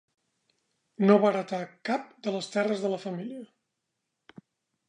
No va heretar cap de les terres de la família.